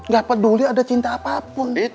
gak peduli ada cinta apapun